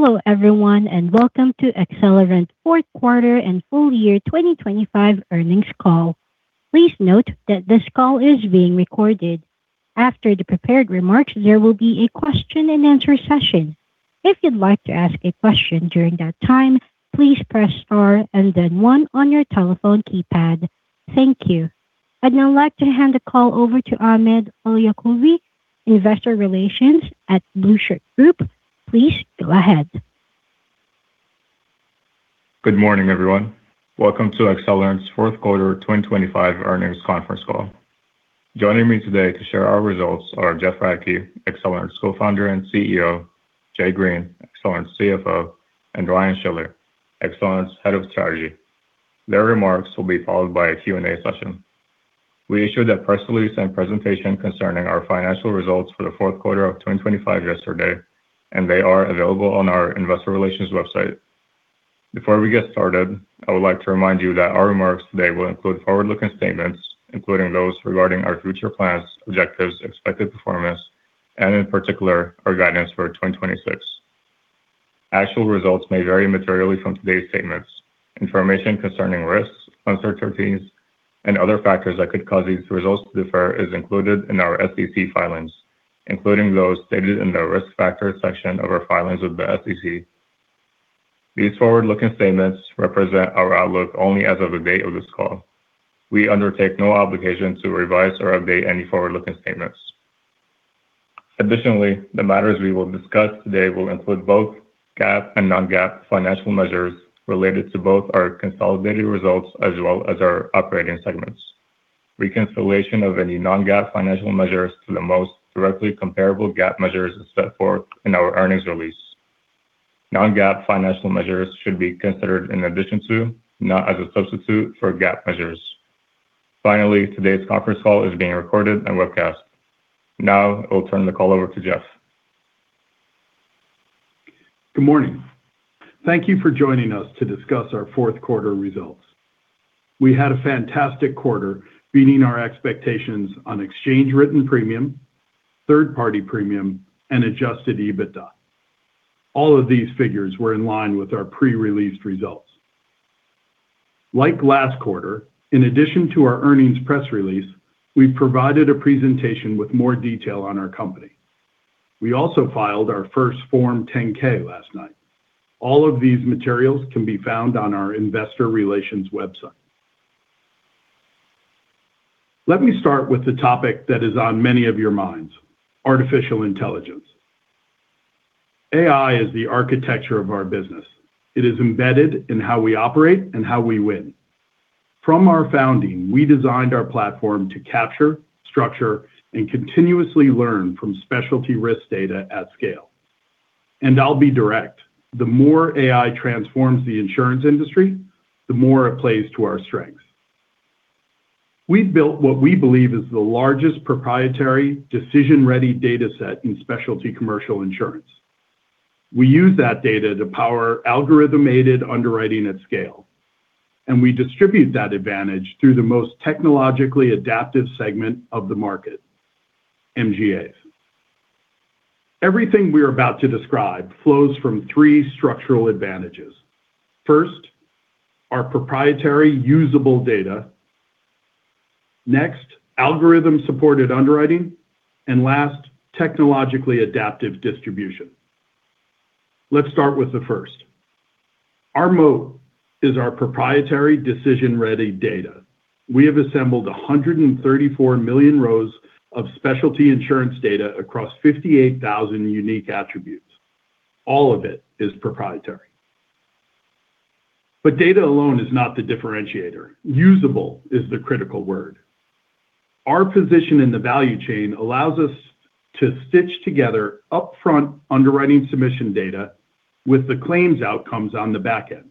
Hello everyone, and welcome to Accelerant fourth quarter and full year 2025 earnings call. Please note that this call is being recorded. After the prepared remarks, there will be a question and answer session. If you'd like to ask a question during that time, please press Star and then one on your telephone keypad. Thank you. I'd now like to hand the call over to Ahmed Alyakuby, Investor Relations at The Blueshirt Group. Please go ahead. Good morning, everyone. Welcome to Accelerant's fourth quarter 2025 earnings conference call. Joining me today to share our results are Jeff Radke, Accelerant's Co-founder and CEO, Jay Green, Accelerant's CFO, and Ryan Schiller, Accelerant's Head of Strategy. Their remarks will be followed by a Q&A session. We issued a press release and presentation concerning our financial results for the fourth quarter of 2025 yesterday, and they are available on our investor relations website. Before we get started, I would like to remind you that our remarks today will include forward-looking statements, including those regarding our future plans, objectives, expected performance, and in particular, our guidance for 2026. Actual results may vary materially from today's statements. Information concerning risks, uncertainties, and other factors that could cause these results to differ is included in our SEC filings, including t hose stated in the risk factor section of our filings with the SEC. These forward-looking statements represent our outlook only as of the date of this call. We undertake no obligation to revise or update any forward-looking statements. Additionally, the matters we will discuss today will include both GAAP and Non-GAAP financial measures related to both our consolidated results as well as our operating segments. Reconciliation of any Non-GAAP financial measures to the most directly comparable GAAP measures is set forth in our earnings release. Non-GAAP financial measures should be considered in addition to, not as a substitute for GAAP measures. Finally, today's conference call is being recorded and webcast. Now, I'll turn the call over to Jeff. Good morning. Thank you for joining us to discuss our fourth quarter results. We had a fantastic quarter, beating our expectations on Exchange Written Premium, third-party premium, and Adjusted EBITDA. All of these figures were in line with our pre-released results. Like last quarter, in addition to our earnings press release, we provided a presentation with more detail on our company. We also filed our first Form 10-K last night. All of these materials can be found on our investor relations website. Let me start with the topic that is on many of your minds, artificial intelligence. AI is the architecture of our business. It is embedded in how we operate and how we win. From our founding, we designed our platform to capture, structure, and continuously learn from specialty risk data at scale. I'll be direct. The more AI transforms the insurance industry, the more it plays to our strengths. We've built what we believe is the largest proprietary decision-ready data set in specialty commercial insurance. We use that data to power algorithmic underwriting at scale, and we distribute that advantage through the most technologically adaptive segment of the market, MGAs. Everything we are about to describe flows from three structural advantages. First, our proprietary usable data. Next, algorithm-supported underwriting. Last, technologically adaptive distribution. Let's start with the first. Our moat is our proprietary decision-ready data. We have assembled 134 million rows of specialty insurance data across 58,000 unique attributes. All of it is proprietary. Data alone is not the differentiator. Usable is the critical word. Our position in the value chain allows us to stitch together upfront underwriting submission data with the claims outcomes on the back end.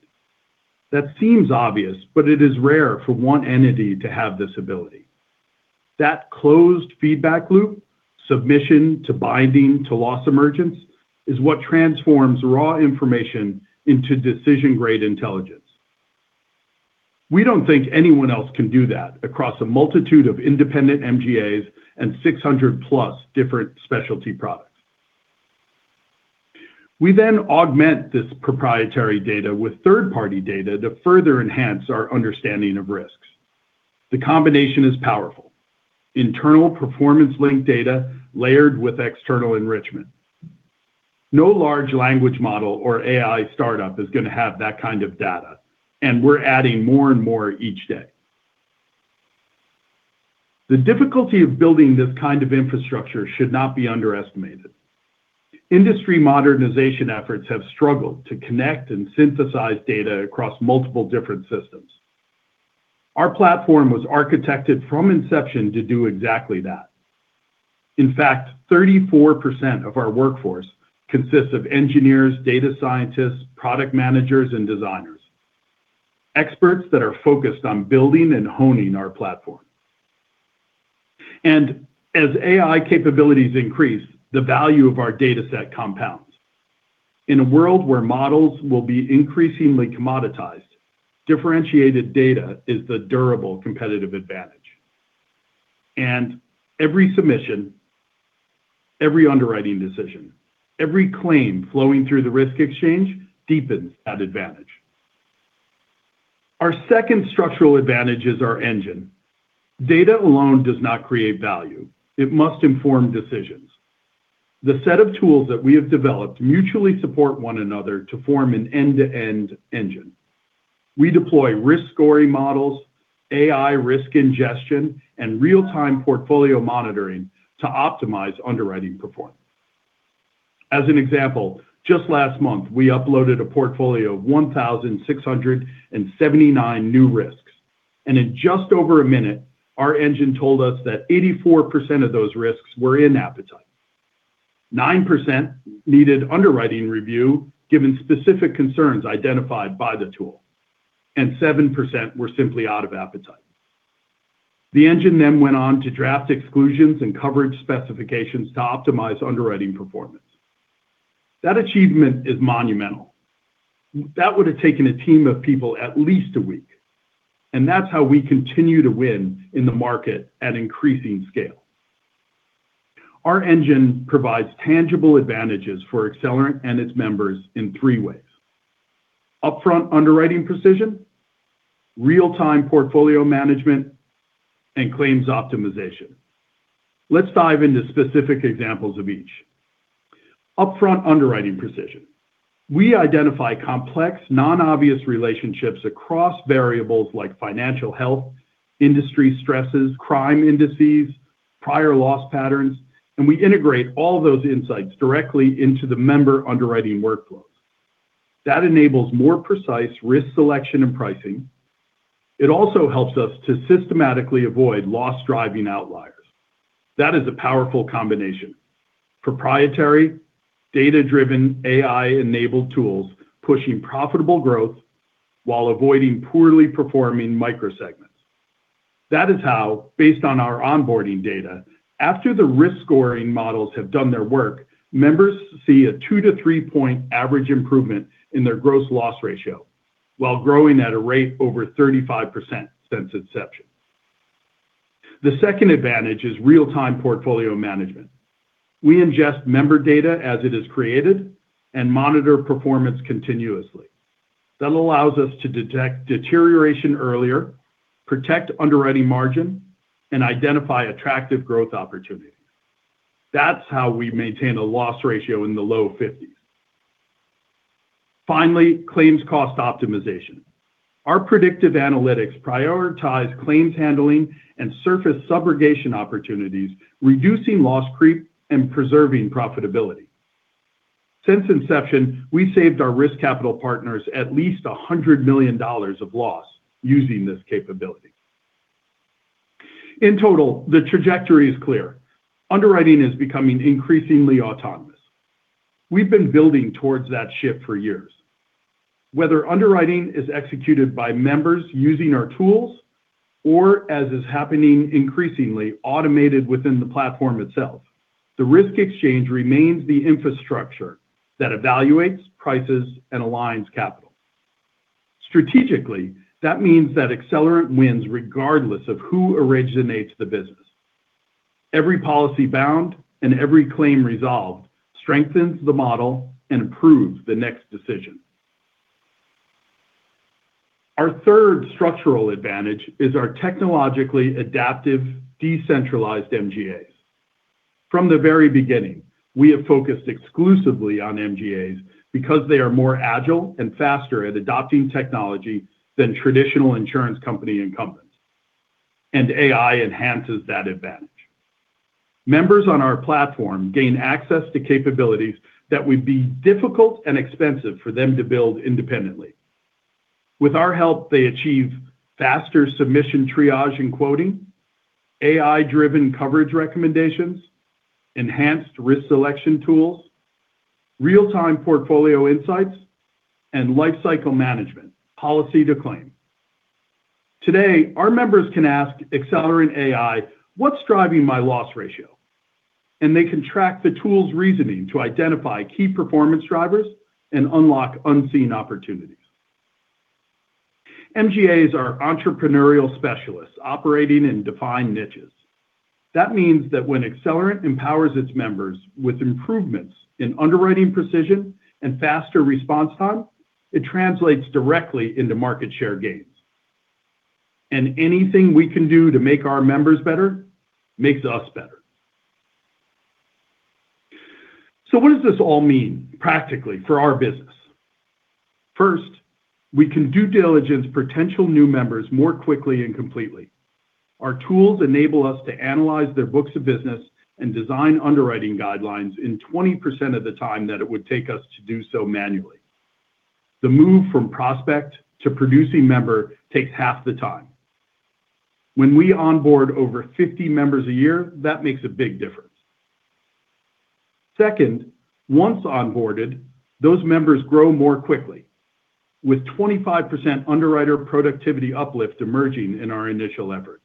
That seems obvious, but it is rare for one entity to have this ability. That closed feedback loop, submission to binding to loss emergence, is what transforms raw information into decision-grade intelligence. We don't think anyone else can do that across a multitude of independent MGAs and 600+ different specialty products. We then augment this proprietary data with third-party data to further enhance our understanding of risks. The combination is powerful. Internal performance-linked data layered with external enrichment. No large language model or AI startup is going to have that kind of data, and we're adding more and more each day. The difficulty of building this kind of infrastructure should not be underestimated. Industry modernization efforts have struggled to connect and synthesize data across multiple different systems. Our platform was architected from inception to do exactly that. In fact, 34% of our workforce consists of engineers, data scientists, product managers, and designers. Experts that are focused on building and honing our platform. As AI capabilities increase, the value of our data set compounds. In a world where models will be increasingly commoditized, differentiated data is the durable competitive advantage. Every submission, every underwriting decision, every claim flowing through the Risk Exchange deepens that advantage. Our second structural advantage is our engine. Data alone does not create value. It must inform decisions. The set of tools that we have developed mutually support one another to form an end-to-end engine. We deploy risk scoring models, AI risk ingestion, and real-time portfolio monitoring to optimize underwriting performance. As an example, just last month, we uploaded a portfolio of 1,679 new risks. In just over a minute, our engine told us that 84% of those risks were in appetite. 9% needed underwriting review given specific concerns identified by the tool, and 7% were simply out of appetite. The engine then went on to draft exclusions and coverage specifications to optimize underwriting performance. That achievement is monumental. That would have taken a team of people at least a week, and that's how we continue to win in the market at increasing scale. Our engine provides tangible advantages for Accelerant and its members in three ways. Upfront underwriting precision, real-time portfolio management, and claims optimization. Let's dive into specific examples of each. Upfront underwriting precision. We identify complex, non-obvious relationships across variables like financial health, industry stresses, crime indices, prior loss patterns, and we integrate all those insights directly into the member underwriting workflows. That enables more precise risk selection and pricing. It also helps us to systematically avoid loss-driving outliers. That is a powerful combination. Proprietary, data-driven, AI-enabled tools pushing profitable growth while avoiding poorly performing microsegments. That is how, based on our onboarding data, after the risk scoring models have done their work, members see a two-three point average improvement in their gross loss ratio while growing at a rate over 35% since inception. The second advantage is real-time portfolio management. We ingest member data as it is created and monitor performance continuously. That allows us to detect deterioration earlier, protect underwriting margin, and identify attractive growth opportunities. That's how we maintain a loss ratio in the low 50s. Finally, claims cost optimization. Our predictive analytics prioritize claims handling and surface subrogation opportunities, reducing loss creep and preserving profitability. Since inception, we saved our risk capital partners at least $100 million of loss using this capability. In total, the trajectory is clear. Underwriting is becoming increasingly autonomous. We've been building towards that shift for years. Whether underwriting is executed by members using our tools or, as is happening increasingly, automated within the platform itself, the Risk Exchange remains the infrastructure that evaluates, prices, and aligns capital. Strategically, that means that Accelerant wins regardless of who originates the business. Every policy bound and every claim resolved strengthens the model and improves the next decision. Our third structural advantage is our technologically adaptive, decentralized MGAs. From the very beginning, we have focused exclusively on MGAs because they are more agile and faster at adopting technology than traditional insurance company incumbents, and AI enhances that advantage. Members on our platform gain access to capabilities that would be difficult and expensive for them to build independently. With our help, they achieve faster submission triage and quoting, AI-driven coverage recommendations, enhanced risk selection tools, real-time portfolio insights, and lifecycle management, policy to claim. Today, our members can ask Accelerant AI, "What's driving my loss ratio?" They can track the tool's reasoning to identify key performance drivers and unlock unseen opportunities. MGAs are entrepreneurial specialists operating in defined niches. That means that when Accelerant empowers its members with improvements in underwriting precision and faster response time, it translates directly into market share gains. Anything we can do to make our members better makes us better. What does this all mean practically for our business? First, we can due diligence potential new members more quickly and completely. Our tools enable us to analyze their books of business and design underwriting guidelines in 20% of the time that it would take us to do so manually. The move from prospect to producing member takes half the time. When we onboard over 50 members a year, that makes a big difference. Second, once onboarded, those members grow more quickly, with 25% underwriter productivity uplift emerging in our initial efforts.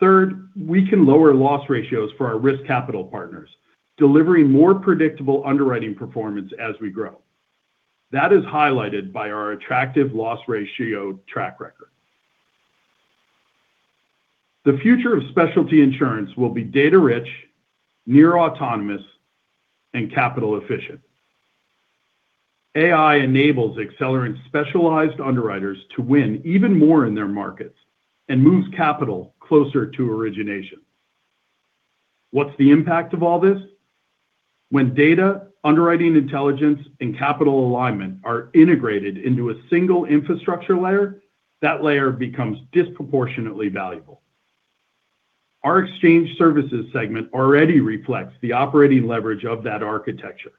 Third, we can lower loss ratios for our risk capital partners, delivering more predictable underwriting performance as we grow. That is highlighted by our attractive loss ratio track record. The future of specialty insurance will be data-rich, near autonomous and capital efficient. AI enables Accelerant specialized underwriters to win even more in their markets and moves capital closer to origination. What's the impact of all this? When data, underwriting intelligence, and capital alignment are integrated into a single infrastructure layer, that layer becomes disproportionately valuable. Our exchange services segment already reflects the operating leverage of that architecture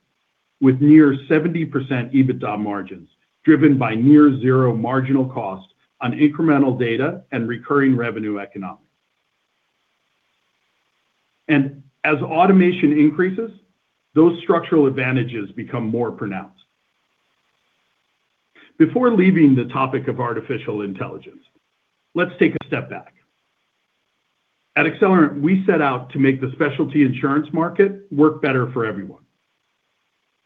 with near 70% EBITDA margins, driven by near zero marginal cost on incremental data and recurring revenue economics. As automation increases, those structural advantages become more pronounced. Before leaving the topic of artificial intelligence, let's take a step back. At Accelerant, we set out to make the specialty insurance market work better for everyone.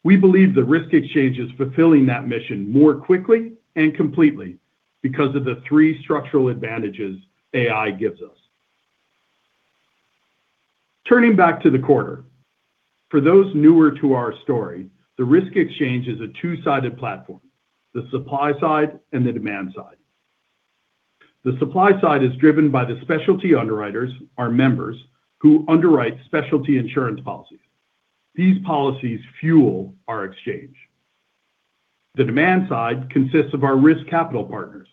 We believe the Risk Exchange is fulfilling that mission more quickly and completely because of the three structural advantages AI gives us. Turning back to the quarter, for those newer to our story, the Risk Exchange is a two-sided platform, the supply side and the demand side. The supply side is driven by the specialty underwriters, our members, who underwrite specialty insurance policies. These policies fuel our exchange. The demand side consists of our risk capital partners,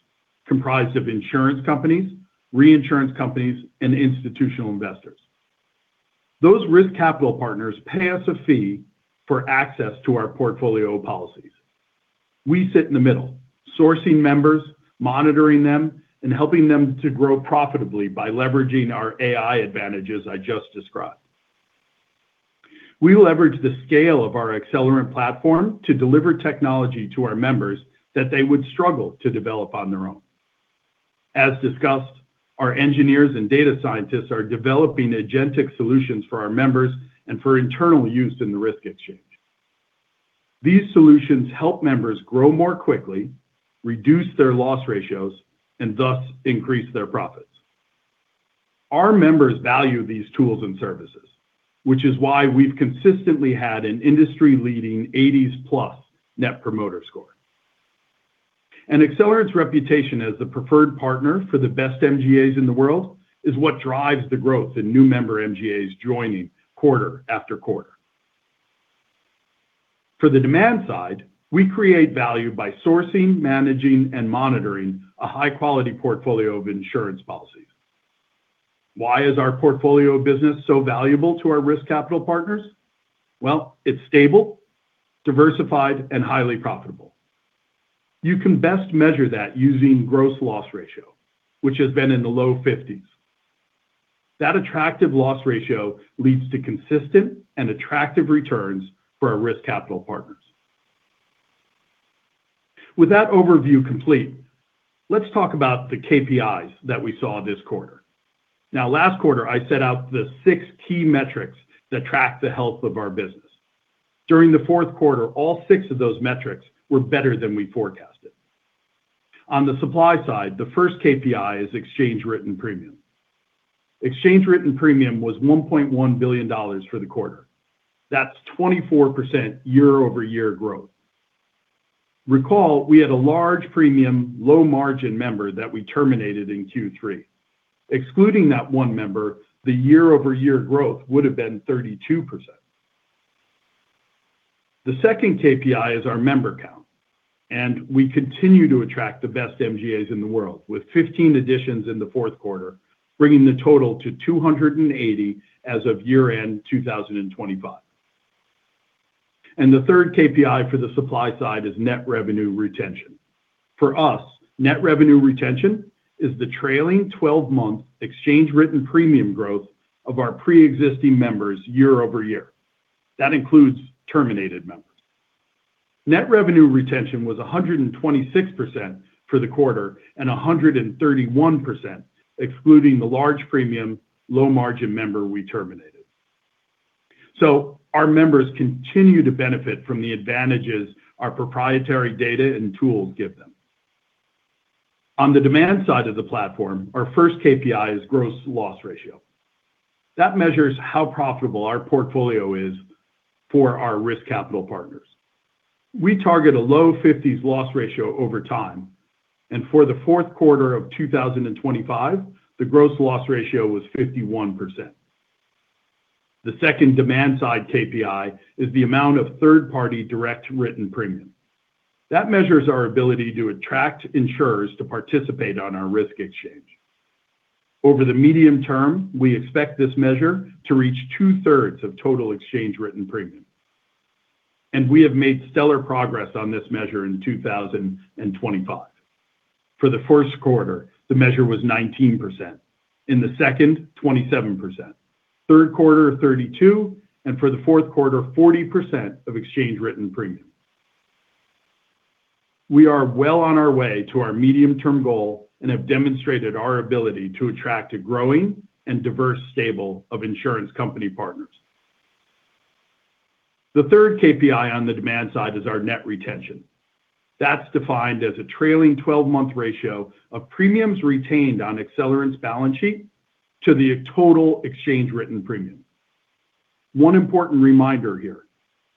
comprised of insurance companies, reinsurance companies, and institutional investors. Those risk capital partners pay us a fee for access to our portfolio of policies. We sit in the middle, sourcing members, monitoring them, and helping them to grow profitably by leveraging our AI advantages I just described. We leverage the scale of our Accelerant platform to deliver technology to our members that they would struggle to develop on their own. As discussed, our engineers and data scientists are developing agentic solutions for our members and for internal use in the Risk Exchange. These solutions help members grow more quickly, reduce their loss ratios, and thus increase their profits. Our members value these tools and services, which is why we've consistently had an industry-leading 80+ Net Promoter Score. Accelerant's reputation as the preferred partner for the best MGAs in the world is what drives the growth in new member MGAs joining quarter after quarter. For the demand side, we create value by sourcing, managing, and monitoring a high-quality portfolio of insurance policies. Why is our portfolio business so valuable to our risk capital partners? Well, it's stable, diversified, and highly profitable. You can best measure that using gross loss ratio, which has been in the low fifties. That attractive loss ratio leads to consistent and attractive returns for our risk capital partners. With that overview complete, let's talk about the KPIs that we saw this quarter. Now, last quarter, I set out the six key metrics that track the health of our business. During the fourth quarter, all six of those metrics were better than we forecasted. On the supply side, the first KPI is Exchange Written Premium. Exchange Written Premium was $1.1 billion for the quarter. That's 24% year-over-year growth. Recall, we had a large premium, low-margin member that we terminated in Q3. Excluding that one member, the year-over-year growth would have been 32%. The second KPI is our member count, and we continue to attract the best MGAs in the world, with 15 additions in the fourth quarter, bringing the total to 280 as of year-end 2025. The third KPI for the supply side is Net Revenue Retention. For us, Net Revenue Retention is the trailing twelve-month Exchange Written Premium growth of our pre-existing members year-over-year. That includes terminated members. Net Revenue Retention was 126% for the quarter and 131% excluding the large premium, low-margin member we terminated. Our members continue to benefit from the advantages our proprietary data and tools give them. On the demand side of the platform, our first KPI is Gross Loss Ratio. That measures how profitable our portfolio is for our risk capital partners. We target a low 50s loss ratio over time, and for the fourth quarter of 2025, the Gross Loss Ratio was 51%. The second demand side KPI is the amount of third-party direct written premium. That measures our ability to attract insurers to participate on our Risk Exchange. Over the medium term, we expect this measure to reach two-thirds of total Exchange Written Premium. We have made stellar progress on this measure in 2025. For the first quarter, the measure was 19%. In the second, 27%. Third quarter, 32%, and for the fourth quarter, 40% of Exchange Written Premium. We are well on our way to our medium-term goal and have demonstrated our ability to attract a growing and diverse stable of insurance company partners. The third KPI on the demand side is our Net Retention. That's defined as a trailing twelve-month ratio of premiums retained on Accelerant's balance sheet to the total Exchange Written Premium. One important reminder here,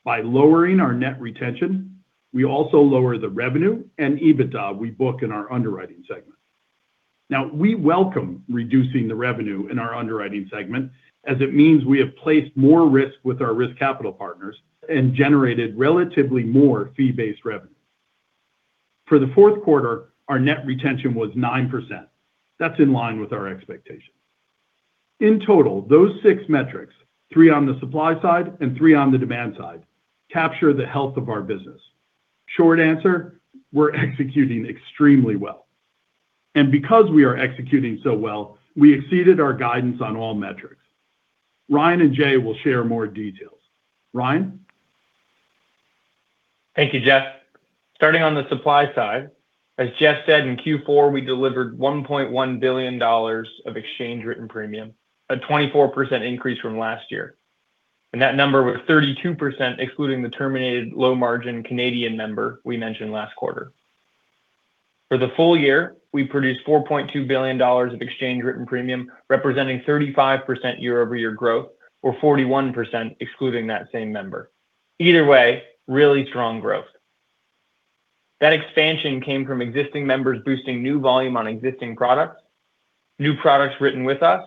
by lowering our Net Retention, we also lower the revenue and EBITDA we book in our underwriting segment. Now, we welcome reducing the revenue in our underwriting segment, as it means we have placed more risk with our risk capital partners and generated relatively more fee-based revenue. For the fourth quarter, our Net Retention was 9%. That's in line with our expectations. In total, those six metrics, three on the supply side and three on the demand side, capture the health of our business. Short answer, we're executing extremely well. Because we are executing so well, we exceeded our guidance on all metrics. Ryan and Jay will share more details. Ryan? Thank you, Jeff. Starting on the supply side, as Jeff said, in Q4 we delivered $1.1 billion of exchange written premium, a 24% increase from last year. That number was 32%, excluding the terminated low-margin Canadian member we mentioned last quarter. For the full year, we produced $4.2 billion of exchange written premium, representing 35% year-over-year growth, or 41% excluding that same member. Either way, really strong growth. That expansion came from existing members boosting new volume on existing products, new products written with us,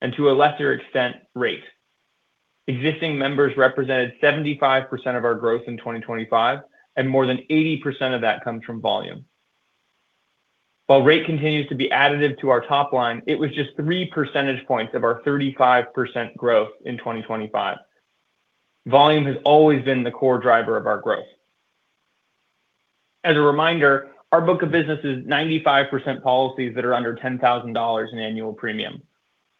and to a lesser extent, rate. Existing members represented 75% of our growth in 2025, and more than 80% of that comes from volume. While rate continues to be additive to our top line, it was just three percentage points of our 35% growth in 2025. Volume has always been the core driver of our growth. As a reminder, our book of business is 95% policies that are under $10,000 in annual premium.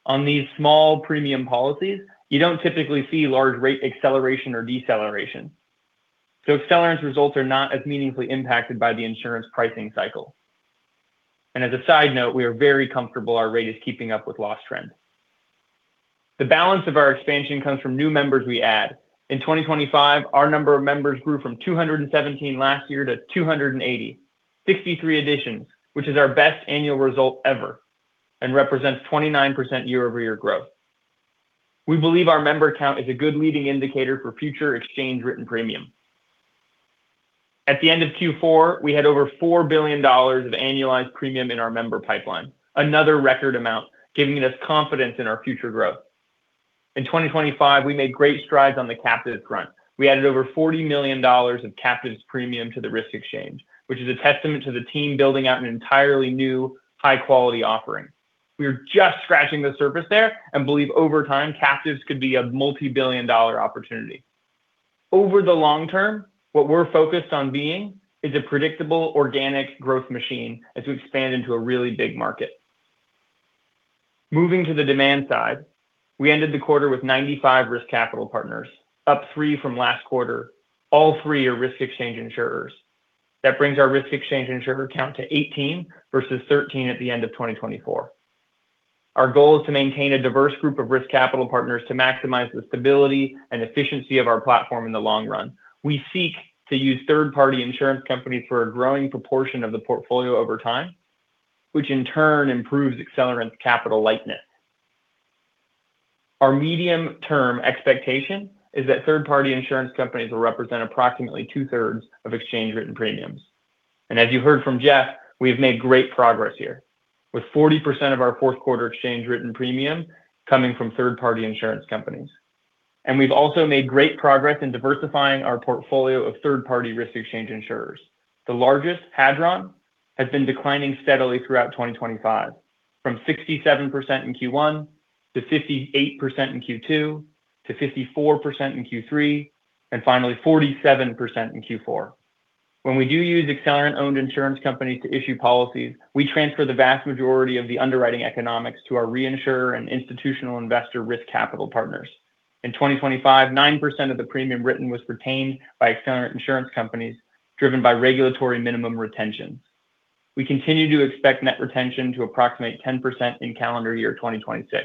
On these small premium policies, you don't typically see large rate acceleration or deceleration. Accelerant's results are not as meaningfully impacted by the insurance pricing cycle. As a side note, we are very comfortable our rate is keeping up with loss trends. The balance of our expansion comes from new members we add. In 2025, our number of members grew from 217 last year to 280. 63 additions, which is our best annual result ever and represents 29% year-over-year growth. We believe our member count is a good leading indicator for future Exchange Written Premium. At the end of Q4, we had over $4 billion of annualized premium in our member pipeline, another record amount, giving us confidence in our future growth. In 2025, we made great strides on the captives front. We added over $40 million of captives premium to the Risk Exchange, which is a testament to the team building out an entirely new high-quality offering. We are just scratching the surface there and believe over time captives could be a multi-billion-dollar opportunity. Over the long term, what we're focused on being is a predictable organic growth machine as we expand into a really big market. Moving to the demand side, we ended the quarter with 95 risk capital partners, up three from last quarter. All three are Risk Exchange Insurer. That brings our Risk Exchange insurer count to 18 versus 13 at the end of 2024. Our goal is to maintain a diverse group of risk capital partners to maximize the stability and efficiency of our platform in the long run. We seek to use third-party insurance companies for a growing proportion of the portfolio over time, which in turn improves Accelerant's capital lightness. Our medium-term expectation is that third-party insurance companies will represent approximately two-thirds of Exchange Written Premiums. As you heard from Jeff, we have made great progress here, with 40% of our fourth quarter Exchange Written Premium coming from third-party insurance companies. We've also made great progress in diversifying our portfolio of third-party Risk Exchange Insurers. The largest, Hadron, has been declining steadily throughout 2025, from 67% in Q1 to 58% in Q2 - 54% in Q3, and finally 47% in Q4. When we do use Accelerant-owned insurance companies to issue policies, we transfer the vast majority of the underwriting economics to our reinsurer and institutional investor risk capital partners. In 2025, 9% of the premium written was retained by Accelerant insurance companies, driven by regulatory minimum retention. We continue to expect net retention to approximate 10% in calendar year 2026.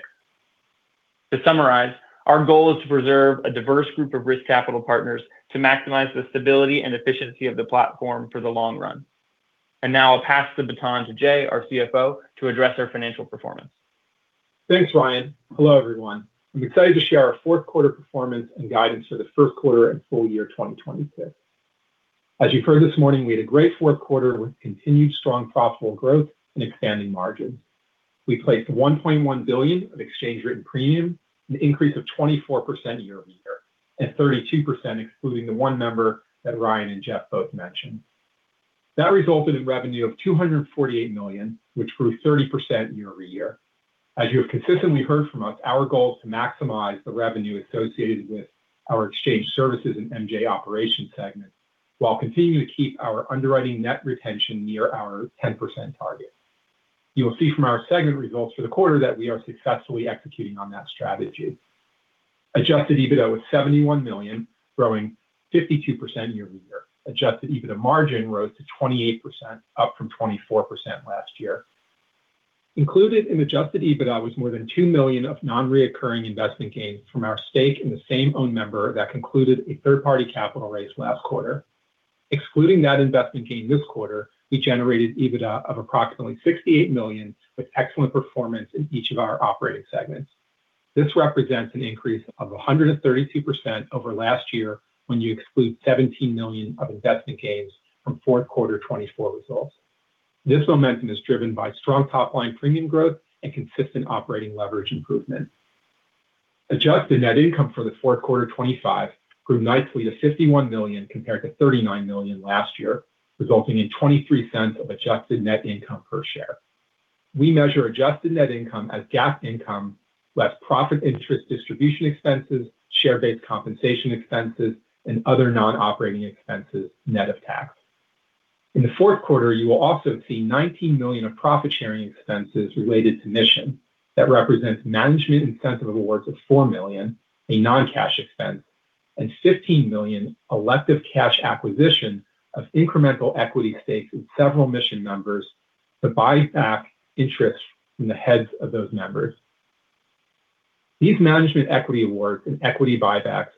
To summarize, our goal is to preserve a diverse group of risk capital partners to maximize the stability and efficiency of the platform for the long run. Now I'll pass the baton to Jay, our CFO, to address our financial performance. Thanks, Ryan. Hello, everyone. I'm excited to share our fourth quarter performance and guidance for the first quarter and full year 2026. As you heard this morning, we had a great fourth quarter with continued strong profitable growth and expanding margins. We placed $1.1 billion of exchange written premium, an increase of 24% year-over-year, and 32% excluding the one member that Ryan and Jeff both mentioned. That resulted in revenue of $248 million, which grew 30% year-over-year. As you have consistently heard from us, our goal is to maximize the revenue associated with our exchange services and MGA operations segments, while continuing to keep our underwriting net retention near our 10% target. You will see from our segment results for the quarter that we are successfully executing on that strategy. Adjusted EBITDA was $71 million, growing 52% year-over-year. Adjusted EBITDA margin rose to 28%, up from 24% last year. Included in adjusted EBITDA was more than $2 million of non-recurring investment gains from our stake in the same owned member that concluded a third-party capital raise last quarter. Excluding that investment gain this quarter, we generated EBITDA of approximately $68 million with excellent performance in each of our operating segments. This represents an increase of 132% over last year when you exclude $17 million of investment gains from fourth quarter 2024 results. This momentum is driven by strong top-line premium growth and consistent operating leverage improvement. Adjusted net income for the fourth quarter 2025 grew nicely to $51 million compared to $39 million last year, resulting in $0.23 of adjusted net income per share. We measure adjusted net income as GAAP income, less profit interest distribution expenses, share-based compensation expenses, and other non-operating expenses, net of tax. In the fourth quarter, you will also see $19 million of profit-sharing expenses related to Mission. That represents management incentive awards of $4 million, a non-cash expense, and $15 million elective cash acquisition of incremental equity stakes with several Mission members to buy back interest from the heads of those members. These management equity awards and equity buybacks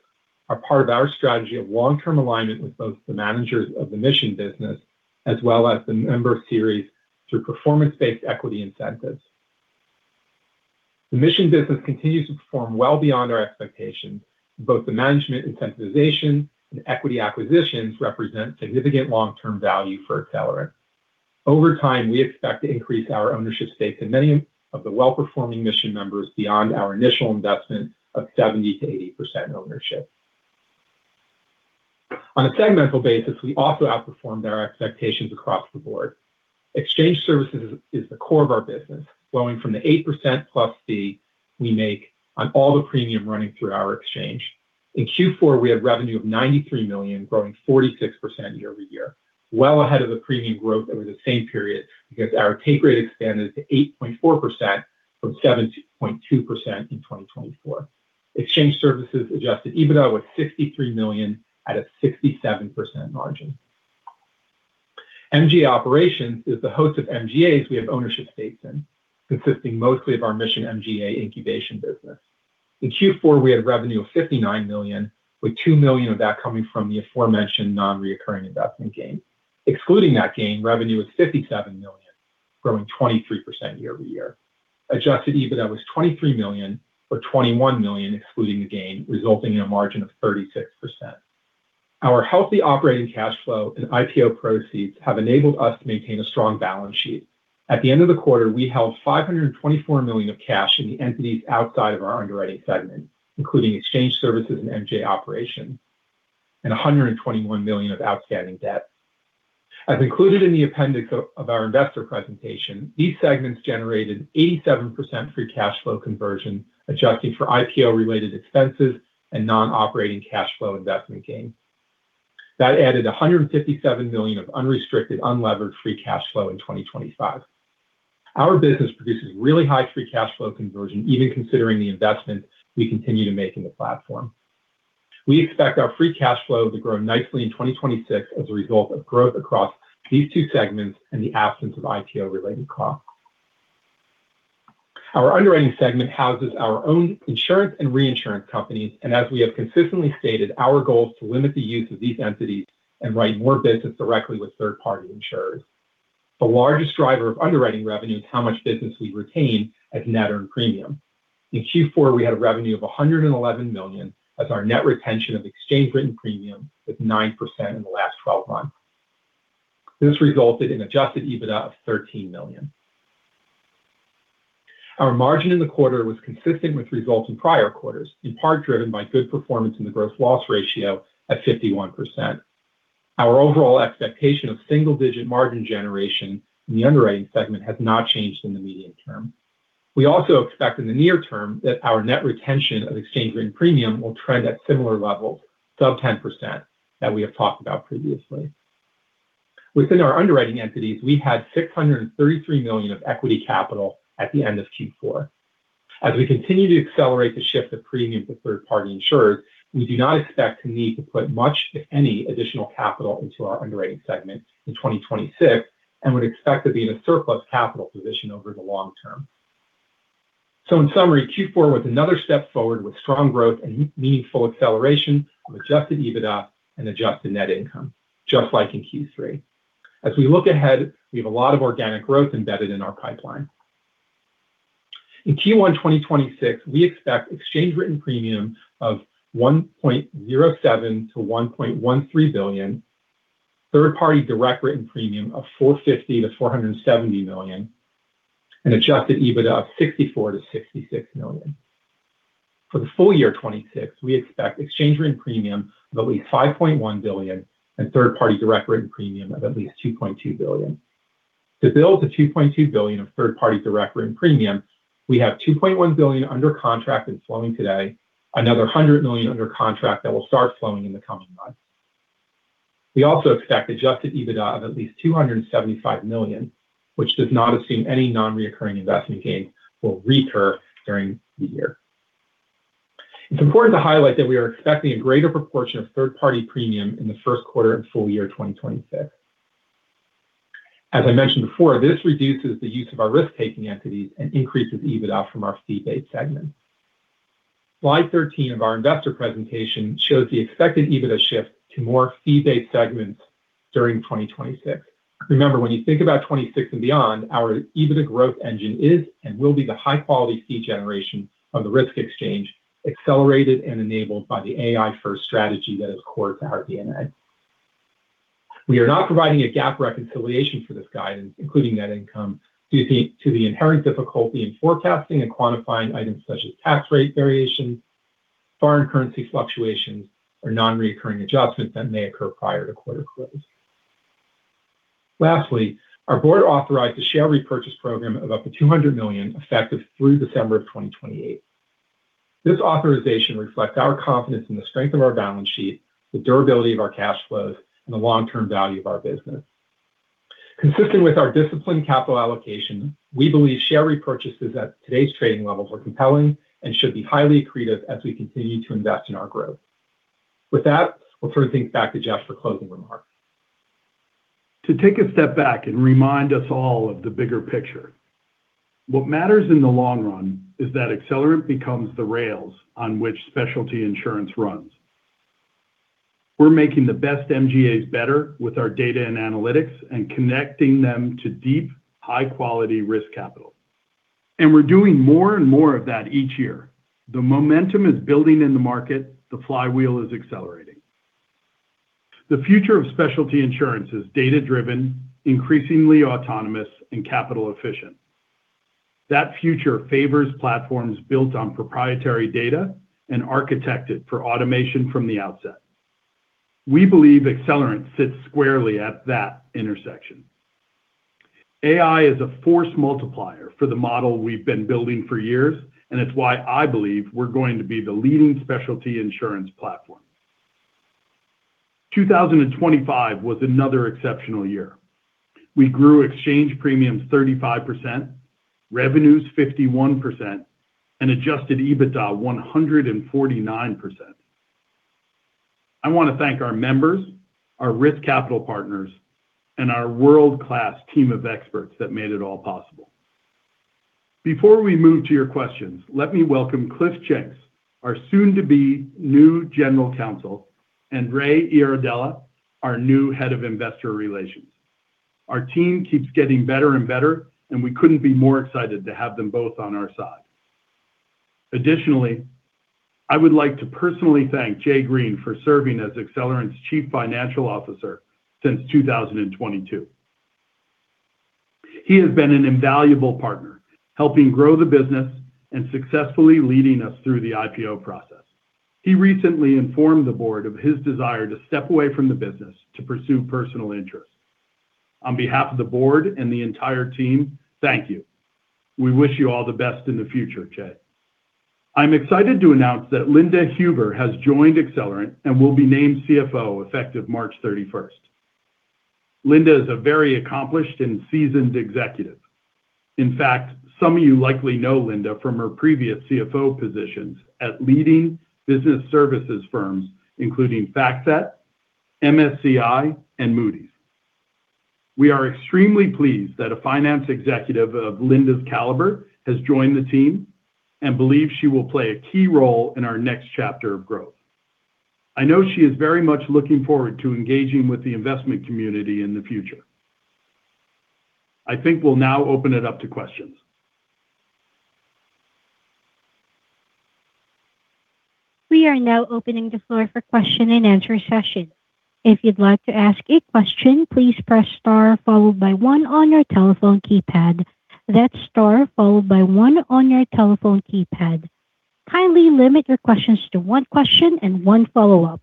are part of our strategy of long-term alignment with both the managers of the Mission business as well as the member series through performance-based equity incentives. The Mission business continues to perform well beyond our expectations. Both the management incentivization and equity acquisitions represent significant long-term value for Accelerant. Over time, we expect to increase our ownership stake in many of the well-performing Mission members beyond our initial investment of 70%-80% ownership. On a segmental basis, we also outperformed our expectations across the board. Exchange Services is the core of our business, flowing from the 8%+ fee we make on all the premium running through our exchange. In Q4, we had revenue of $93 million, growing 46% year-over-year, well ahead of the premium growth over the same period because our take rate expanded to 8.4% from 7.2% in 2024. Exchange Services adjusted EBITDA was $63 million at a 67% margin. MGA Operations is the host of MGAs we have ownership stakes in, consisting mostly of our Mission MGA incubation business. In Q4, we had revenue of $59 million, with $2 million of that coming from the aforementioned non-recurring investment gain. Excluding that gain, revenue was $57 million, growing 23% year-over-year. Adjusted EBITDA was $23 million or $21 million excluding the gain, resulting in a margin of 36%. Our healthy operating cash flow and IPO proceeds have enabled us to maintain a strong balance sheet. At the end of the quarter, we held $524 million of cash in the entities outside of our underwriting segment, including Exchange Services and MGA Operations, and $121 million of outstanding debt. As included in the appendix of our investor presentation, these segments generated 87% free cash flow conversion, adjusting for IPO-related expenses and non-operating cash flow investment gains. That added $157 million of unrestricted, unlevered free cash flow in 2025. Our business produces really high free cash flow conversion, even considering the investment we continue to make in the platform. We expect our free cash flow to grow nicely in 2026 as a result of growth across these two segments and the absence of IPO-related costs. Our underwriting segment houses our own insurance and reinsurance companies, and as we have consistently stated, our goal is to limit the use of these entities and write more business directly with third-party insurers. The largest driver of underwriting revenue is how much business we retain as net earned premium. In Q4, we had revenue of $111 million as our net retention of Exchange Written Premium was 9% in the last twelve months. This resulted in Adjusted EBITDA of $13 million. Our margin in the quarter was consistent with results in prior quarters, in part driven by good performance in the Gross Loss Ratio at 51%. Our overall expectation of single-digit margin generation in the underwriting segment has not changed in the medium term. We also expect in the near term that our Net Retention of Exchange Written Premium will trend at similar levels, sub-10%, that we have talked about previously. Within our underwriting entities, we had $633 million of equity capital at the end of Q4. As we continue to accelerate the shift of premium to third-party insurers, we do not expect to need to put much, if any, additional capital into our underwriting segment in 2026 and would expect to be in a surplus capital position over the long term. In summary, Q4 was another step forward with strong growth and meaningful acceleration of Adjusted EBITDA and Adjusted Net Income, just like in Q3. As we look ahead, we have a lot of organic growth embedded in our pipeline. In Q1 2026, we expect Exchange Written Premium of $1.07 billion-$1.13 billion, third-party direct written premium of $450 million-$470 million, and Adjusted EBITDA of $64 million-$66 million. For the full year 2026, we expect Exchange Written Premium of at least $5.1 billion and third-party direct written premium of at least $2.2 billion. To build the $2.2 billion of third-party direct written premium, we have $2.1 billion under contract and flowing today, another $100 million under contract that will start flowing in the coming. We also expect Adjusted EBITDA of at least $275 million, which does not assume any non-recurring investment gains will recur during the year. It's important to highlight that we are expecting a greater proportion of third-party premium in the first quarter and full year 2026. As I mentioned before, this reduces the use of our risk-taking entities and increases EBITDA from our fee-based segment. Slide 13 of our investor presentation shows the expected EBITDA shift to more fee-based segments during 2026. Remember, when you think about 2060 and beyond, our EBITDA growth engine is and will be the high-quality fee generation of the Risk Exchange, accelerated and enabled by the AI-first strategy that is core to our DNA. We are not providing a GAAP reconciliation for this guidance, including net income, due to the inherent difficulty in forecasting and quantifying items such as tax rate variations, foreign currency fluctuations, or non-recurring adjustments that may occur prior to quarter close. Lastly, our board authorized a share repurchase program of up to $200 million, effective through December of 2028. This authorization reflects our confidence in the strength of our balance sheet, the durability of our cash flows, and the long-term value of our business. Consistent with our disciplined capital allocation, we believe share repurchases at today's trading levels are compelling and should be highly accretive as we continue to invest in our growth. With that, we'll turn things back to Jeff for closing remarks. To take a step back and remind us all of the bigger picture, what matters in the long run is that Accelerant becomes the rails on which specialty insurance runs. We're making the best MGAs better with our data and analytics and connecting them to deep, high-quality risk capital. We're doing more and more of that each year. The momentum is building in the market. The flywheel is accelerating. The future of specialty insurance is data-driven, increasingly autonomous, and capital efficient. That future favors platforms built on proprietary data and architected for automation from the outset. We believe Accelerant sits squarely at that intersection. AI is a force multiplier for the model we've been building for years, and it's why I believe we're going to be the leading specialty insurance platform. 2025 was another exceptional year. We grew exchange premiums 35%, revenues 51%, and adjusted EBITDA 149%. I want to thank our members, our risk capital partners, and our world-class team of experts that made it all possible. Before we move to your questions, let me welcome Cliff Jenks, our soon-to-be new General Counsel, and Ray Iardella, our new Head of Investor Relations. Our team keeps getting better and better, and we couldn't be more excited to have them both on our side. Additionally, I would like to personally thank Jay Green for serving as Accelerant's Chief Financial Officer since 2022. He has been an invaluable partner, helping grow the business and successfully leading us through the IPO process. He recently informed the board of his desire to step away from the business to pursue personal interests. On behalf of the board and the entire team, thank you. We wish you all the best in the future, Jay. I'm excited to announce that Linda Huber has joined Accelerant and will be named CFO effective March 31st. Linda is a very accomplished and seasoned executive. In fact, some of you likely know Linda from her previous CFO positions at leading business services firms, including FactSet, MSCI, and Moody's. We are extremely pleased that a finance executive of Linda's caliber has joined the team and believe she will play a key role in our next chapter of growth. I know she is very much looking forward to engaging with the investment community in the future. I think we'll now open it up to questions. We are now opening the floor for question and answer session. If you'd like to ask a question, please press star followed by one on your telephone keypad. That's star followed by one on your telephone keypad. Kindly limit your questions to one question and one follow-up.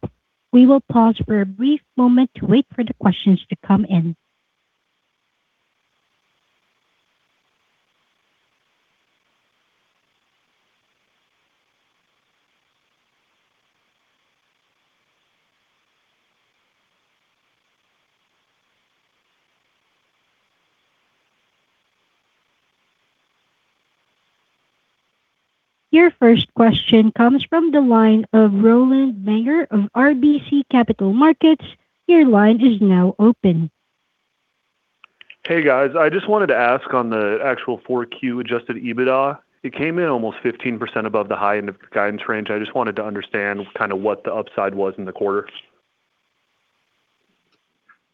We will pause for a brief moment to wait for the questions to come in. Your first question comes from the line of Roland von Buchwaldt of RBC Capital Markets. Your line is now open. Hey, guys. I just wanted to ask on the actual Q4 Adjusted EBITDA, it came in almost 15% above the high end of guidance range. I just wanted to understand kind of what the upside was in the quarter.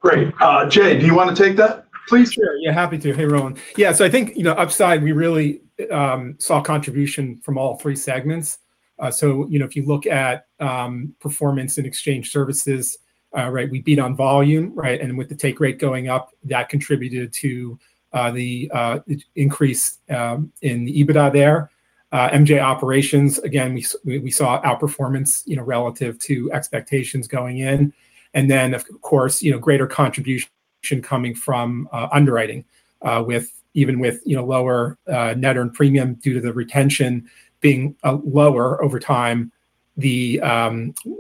Great. Jay, do you wanna take that, please? Sure. Yeah, happy to. Hey, Roland. Yeah. I think, you know, upside, we really saw contribution from all three segments. You know, if you look at performance in exchange services, right, we beat on volume, right? And with the take rate going up, that contributed to the increase in the EBITDA there. MGA operations, again, we saw outperformance, you know, relative to expectations going in. Of course, you know, greater contribution. Contribution coming from underwriting, even with, you know, lower net earned premium due to the retention being lower over time, the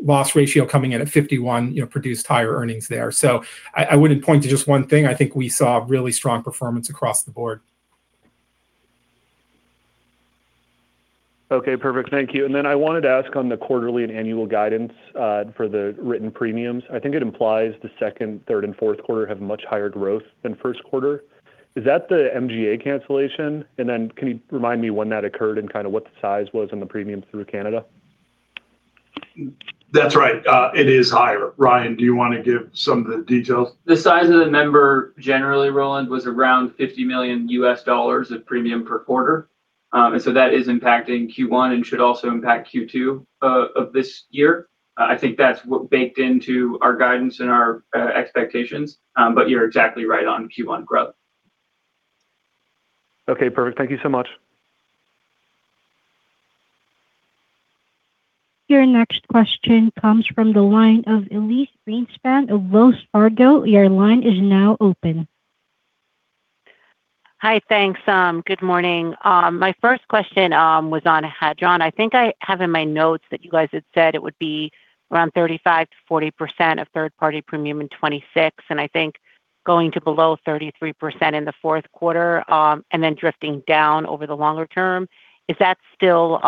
loss ratio coming in at 51%, you know, produced higher earnings there. I wouldn't point to just one thing. I think we saw really strong performance across the board. Okay, perfect. Thank you. I wanted to ask on the quarterly and annual guidance for the written premiums. I think it implies the second, third and fourth quarter have much higher growth than first quarter. Is that the MGA cancellation? Can you remind me when that occurred and kind of what the size was on the premiums through Canada? That's right. It is higher. Ryan, do you want to give some of the details? The size of the member generally, Roland, was around $50 million of premium per quarter. That is impacting Q1 and should also impact Q2 of this year. I think that's baked into our guidance and our expectations, but you're exactly right on Q1 growth. Okay, perfect. Thank you so much. Your next question comes from the line of Elyse Greenspan of Wells Fargo. Your line is now open. Hi, thanks. Good morning. My first question was on Hadron. I think I have in my notes that you guys had said it would be around 35%-40% of third-party premium in 2026, and I think going to below 33% in the fourth quarter, and then drifting down over the longer term. Is that still,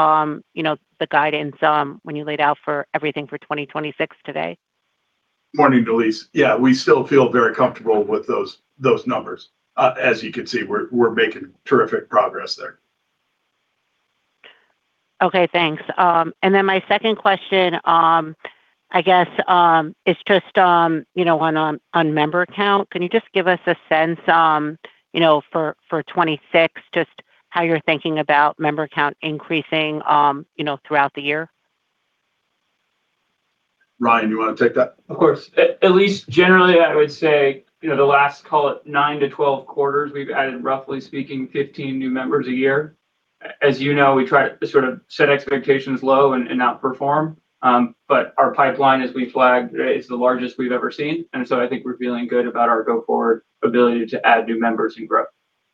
you know, the guidance when you laid out for everything for 2026 today? Morning, Elyse. Yeah, we still feel very comfortable with those numbers. As you can see, we're making terrific progress there. Okay, thanks. My second question, I guess, is just, you know, on member count. Can you just give us a sense, you know, for 2026, just how you're thinking about member count increasing, you know, throughout the year? Ryan, you want to take that? Of course. Elise, generally, I would say, you know, the last, call it, 9 to 12 quarters, we've added, roughly speaking, 15 new members a year. As you know, we try to sort of set expectations low and not perform. But our pipeline, as we flagged, is the largest we've ever seen. I think we're feeling good about our go-forward ability to add new members and grow.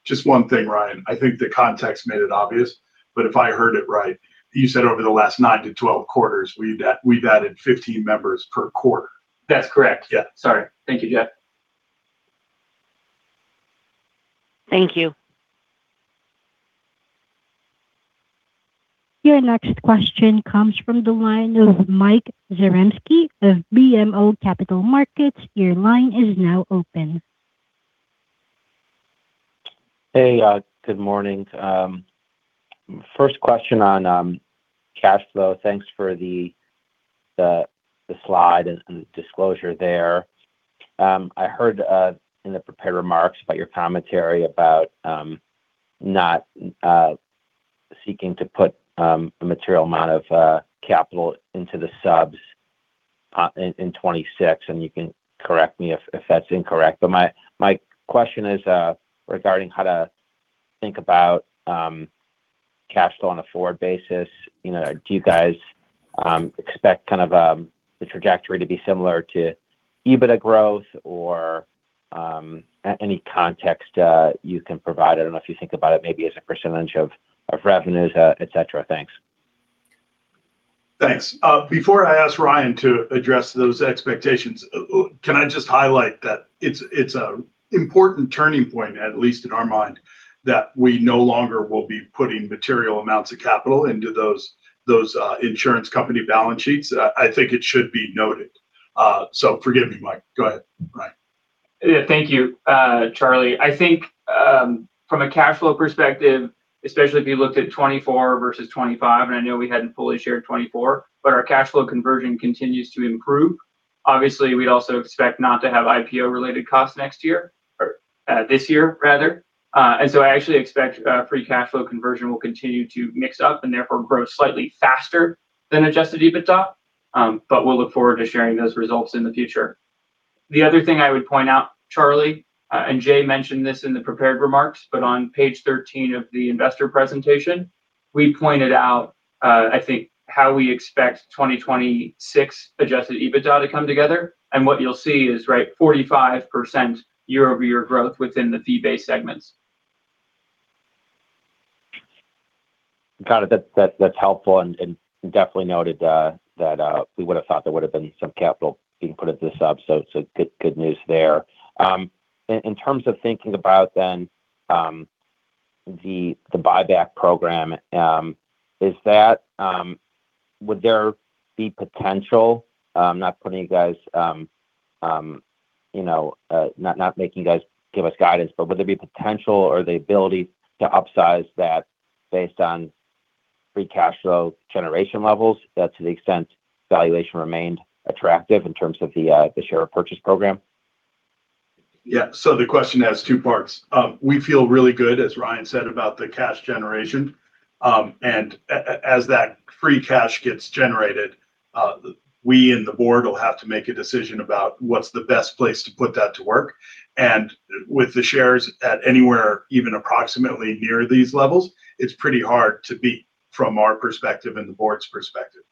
Just one thing, Ryan. I think the context made it obvious, but if I heard it right, you said over the last 9-12 quarters, we've added 15 members per quarter. That's correct. Yeah. Sorry. Thank you. Yeah. Thank you. Your next question comes from the line of Michael Zaremski of BMO Capital Markets. Your line is now open. Hey, good morning. First question on cash flow. Thanks for the slide and disclosure there. I heard in the prepared remarks about your commentary about not seeking to put a material amount of capital into the subs in 2026, and you can correct me if that's incorrect. But my question is regarding how to think about cash flow on a forward basis. You know, do you guys expect kind of the trajectory to be similar to EBITDA growth or any context you can provide? I don't know if you think about it maybe as a percentage of revenues, et cetera. Thanks. Thanks. Before I ask Ryan to address those expectations, can I just highlight that it's an important turning point, at least in our mind, that we no longer will be putting material amounts of capital into those insurance company balance sheets. I think it should be noted. Forgive me, Mike. Go ahead, Ryan. Yeah. Thank you, Charlie. I think, from a cash flow perspective, especially if you looked at 2024 versus 2025, and I know we hadn't fully shared 2024, but our cash flow conversion continues to improve. Obviously, we also expect not to have IPO-related costs next year, or, this year rather. I actually expect, free cash flow conversion will continue to mix up and therefore grow slightly faster than Adjusted EBITDA, but we'll look forward to sharing those results in the future. The other thing I would point out, Charlie, and Jay mentioned this in the prepared remarks, but on page 13 of the investor presentation, we pointed out, I think, how we expect 2026 Adjusted EBITDA to come together. What you'll see is, right, 45% year-over-year growth within the fee-based segments. Got it. That's helpful and definitely noted that we would have thought there would have been some capital being put into this sub, so it's good news there. In terms of thinking about then the buyback program, would there be potential not putting you guys you know not making you guys give us guidance, but would there be potential or the ability to upsize that based on free cash flow generation levels that to the extent valuation remained attractive in terms of the share purchase program? Yeah. The question has two parts. We feel really good, as Ryan said, about the cash generation. As that free cash gets generated, we and the board will have to make a decision about what's the best place to put that to work. With the shares at anywhere even approximately near these levels, it's pretty hard to beat from our perspective and the board's perspective.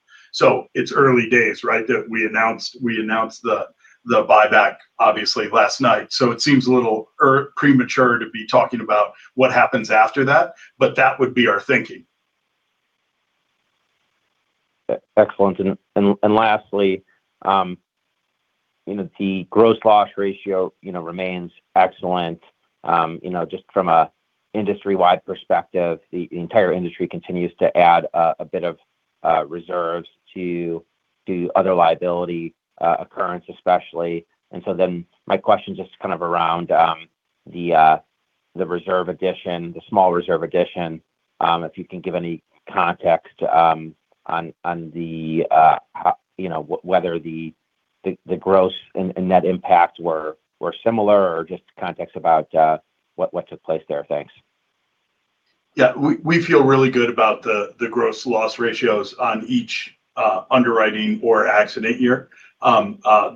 It's early days, right? We announced the buyback obviously last night. It seems a little premature to be talking about what happens after that, but that would be our thinking. Excellent. Lastly, you know, the Gross Loss Ratio, you know, remains excellent. You know, just from an industry-wide perspective, the entire industry continues to add a bit of reserves to other liability occurrence especially. My question just kind of around the reserve addition, the small reserve addition, if you can give any context on how, you know, whether the gross and net impact were similar or just context about what took place there. Thanks. Yeah. We feel really good about the Gross Loss Ratios on each underwriting or accident year.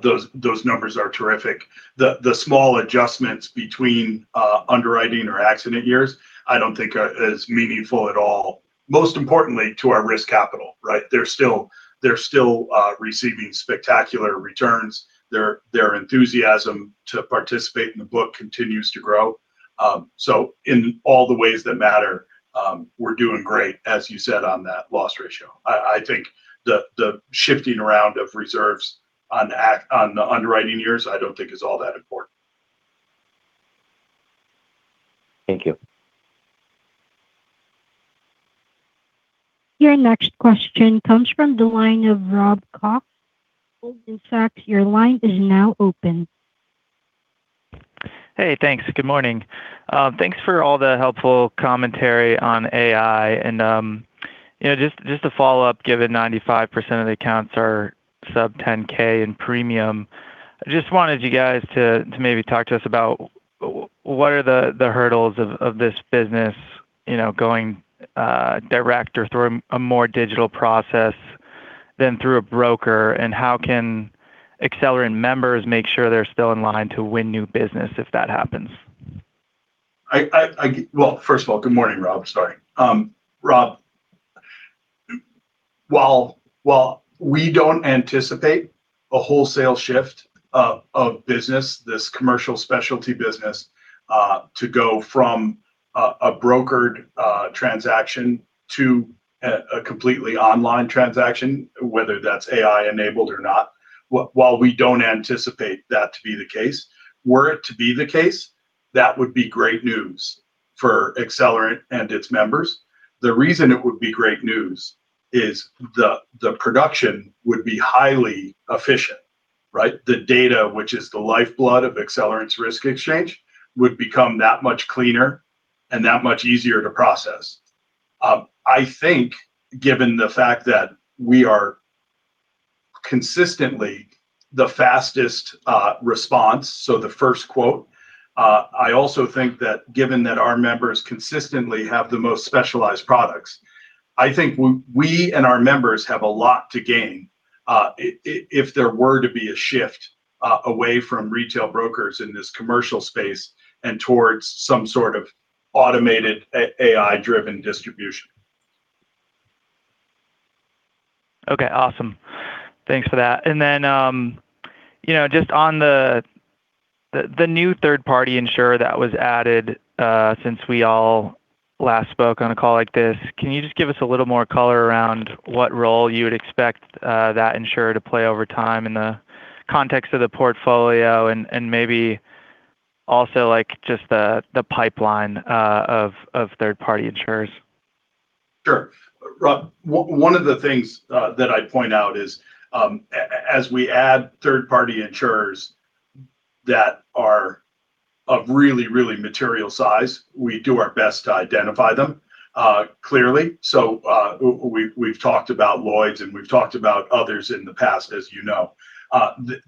Those numbers are terrific. The small adjustments between underwriting or accident years I don't think are as meaningful at all, most importantly to our risk capital, right? They're still receiving spectacular returns. Their enthusiasm to participate in the book continues to grow. So in all the ways that matter, we're doing great, as you said, on that Loss Ratio. I think the shifting around of reserves on the underwriting years I don't think is all that important. Thank you. Your next question comes from the line of Robert Cox. Robert Cox, your line is now open. Hey, thanks. Good morning. Thanks for all the helpful commentary on AI. You know, just to follow up, given 95% of the accounts are sub 10K in premium, I just wanted you guys to maybe talk to us about what are the hurdles of this business, you know, going direct or through a more digital process than through a broker, and how can Accelerant members make sure they're still in line to win new business if that happens? Well, first of all, good morning, Rob. Sorry. Rob, while we don't anticipate a wholesale shift of business, this commercial specialty business to go from a brokered transaction to a completely online transaction, whether that's AI enabled or not, while we don't anticipate that to be the case, were it to be the case, that would be great news for Accelerant and its members. The reason it would be great news is the production would be highly efficient, right? The data, which is the lifeblood of Accelerant's risk exchange, would become that much cleaner and that much easier to process. I think given the fact that we are consistently the fastest response, so the first quote. I also think that given that our members consistently have the most specialized products, I think we and our members have a lot to gain, if there were to be a shift away from retail brokers in this commercial space and towards some sort of automated AI driven distribution. Okay, awesome. Thanks for that. You know, just on the new third-party insurer that was added since we all last spoke on a call like this, can you just give us a little more color around what role you would expect that insurer to play over time in the context of the portfolio and maybe also like just the pipeline of third-party insurers? Sure. Rob, one of the things that I'd point out is, as we add third-party insurers that are of really, really material size, we do our best to identify them clearly. We've talked about Lloyd's and we've talked about others in the past, as you know.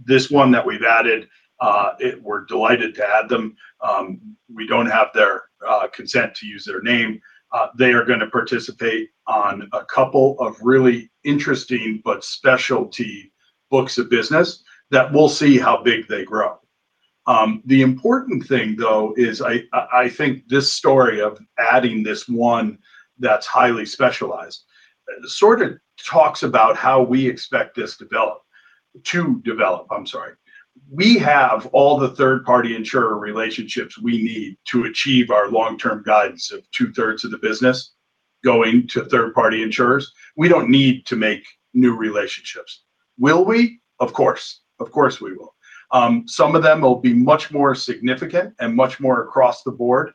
This one that we've added, we're delighted to add them. We don't have their consent to use their name. They are gonna participate on a couple of really interesting but specialty books of business that we'll see how big they grow. The important thing though is I think this story of adding this one that's highly specialized sort of talks about how we expect this to develop, I'm sorry. We have all the third-party insurer relationships we need to achieve our long-term guidance of two-thirds of the business going to third-party insurers. We don't need to make new relationships. Will we? Of course. Of course, we will. Some of them will be much more significant and much more across the board,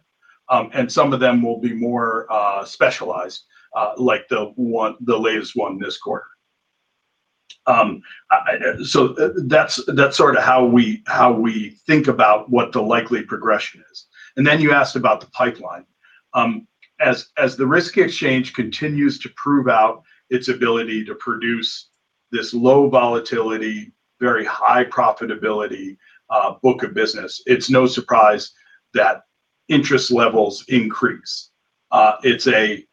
and some of them will be more specialized, like the latest one this quarter. So that's sort of how we think about what the likely progression is. Then you asked about the pipeline. As the Risk Exchange continues to prove out its ability to produce this low volatility, very high profitability book of business, it's no surprise that interest levels increase. The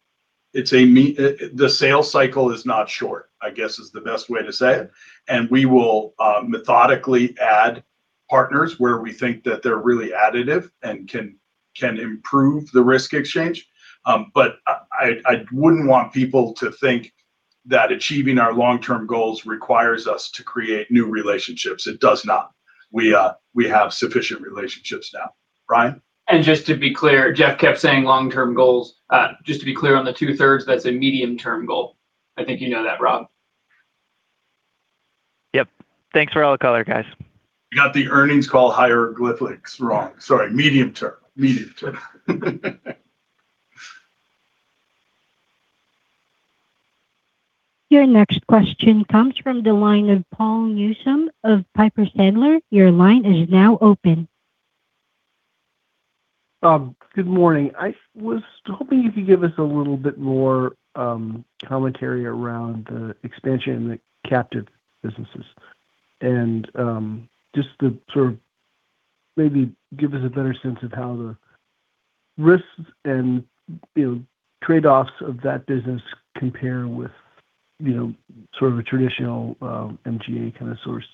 sales cycle is not short, I guess is the best way to say it. We will methodically add partners where we think that they're really additive and can improve the Risk Exchange. I wouldn't want people to think that achieving our long-term goals requires us to create new relationships. It does not. We have sufficient relationships now. Ryan? Just to be clear, Jeff kept saying long-term goals. Just to be clear on the two-thirds, that's a medium-term goal. I think you know that, Rob. Yep. Thanks for all the color, guys. You got the earnings call hieroglyphics wrong. Sorry, medium-term. Your next question comes from the line of Paul Newsome of Piper Sandler. Your line is now open. Good morning. I was hoping you could give us a little bit more commentary around the expansion in the captive businesses. Just to sort of maybe give us a better sense of how the risks and, you know, trade-offs of that business compare with, you know, sort of a traditional MGA kind of source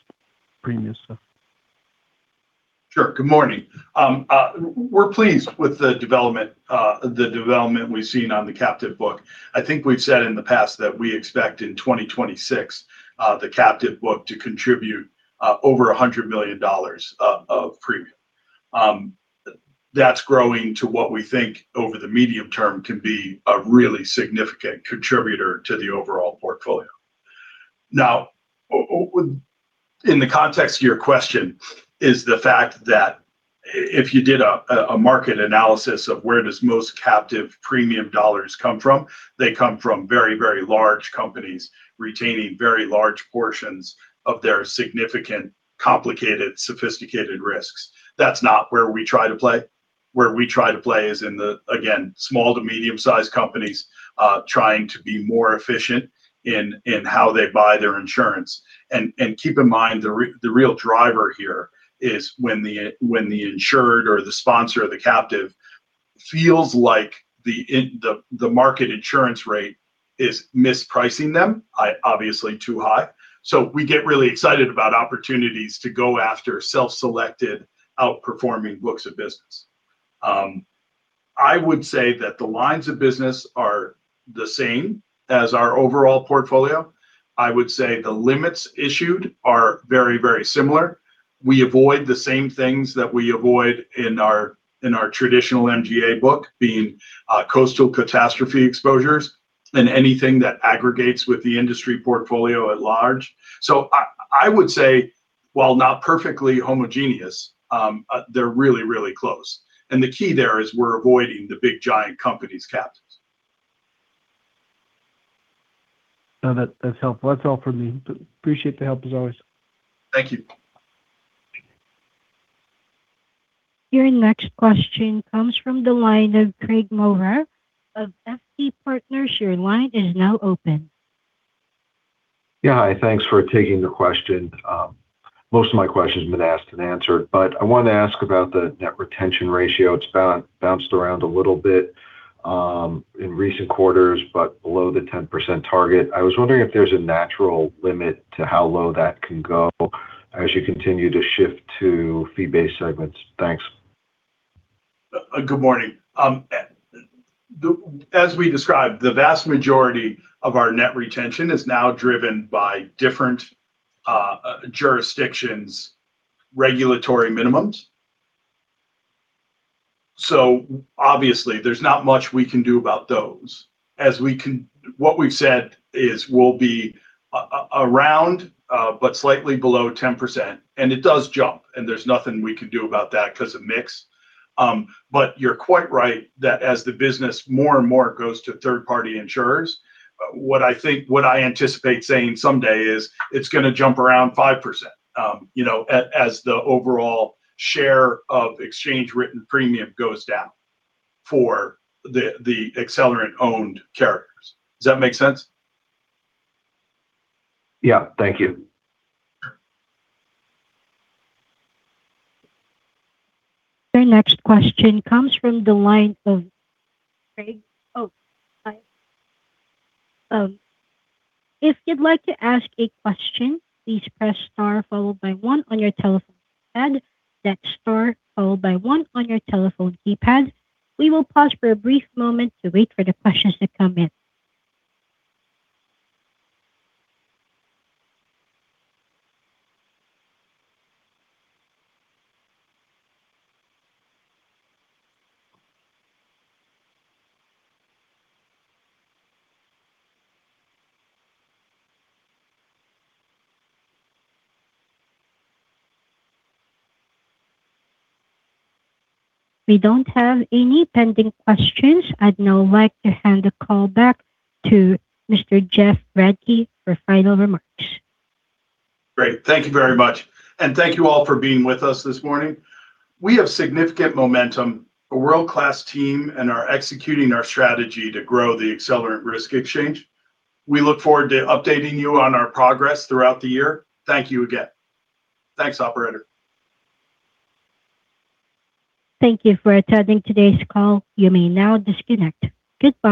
premium stuff. Sure. Good morning. We're pleased with the development we've seen on the captive book. I think we've said in the past that we expect in 2026 the captive book to contribute over $100 million of premium. That's growing to what we think over the medium-term can be a really significant contributor to the overall portfolio. Now, in the context of your question is the fact that if you did a market analysis of where does most captive premium dollars come from, they come from very large companies retaining very large portions of their significant, complicated, sophisticated risks. That's not where we try to play. Where we try to play is in the, again, small to medium-sized companies trying to be more efficient in how they buy their insurance. Keep in mind, the real driver here is when the insured or the sponsor of the captive feels like the market insurance rate is mispricing them, obviously too high. We get really excited about opportunities to go after self-selected outperforming books of business. I would say that the lines of business are the same as our overall portfolio. I would say the limits issued are very, very similar. We avoid the same things that we avoid in our traditional MGA book, being coastal catastrophe exposures and anything that aggregates with the industry portfolio at large. I would say, while not perfectly homogeneous, they're really, really close. The key there is we're avoiding the big giant companies captives. No, that's helpful. That's all for me. Appreciate the help as always. Thank you. Your next question comes from the line of Craig Moyer of FT Partners. Your line is now open. Yeah. Hi, thanks for taking the question. Most of my question's been asked and answered, but I wanted to ask about the Net Retention ratio. It's bounced around a little bit in recent quarters, but below the 10% target. I was wondering if there's a natural limit to how low that can go as you continue to shift to fee-based segments. Thanks. Good morning. As we described, the vast majority of our Net Retention is now driven by different jurisdictions' regulatory minimums. Obviously, there's not much we can do about those. What we've said is we'll be around, but slightly below 10%, and it does jump, and there's nothing we can do about that 'cause of mix. But you're quite right that as the business more and more goes to third-party insurers, what I anticipate saying someday is it's gonna jump around 5%, you know, as the overall share of Exchange Written Premium goes down for the Accelerant-owned carriers. Does that make sense? Yeah. Thank you. Your next question comes from the line of Craig. Oh, hi. If you'd like to ask a question, please press star followed by one on your telephone pad. That's star followed by one on your telephone keypad. We will pause for a brief moment to wait for the questions to come in. We don't have any pending questions. I'd now like to hand the call back to Mr. Jeff Radke for final remarks. Great. Thank you very much. Thank you all for being with us this morning. We have significant momentum, a world-class team, and are executing our strategy to grow the Accelerant Risk Exchange. We look forward to updating you on our progress throughout the year. Thank you again. Thanks, operator. Thank you for attending today's call. You may now disconnect. Goodbye.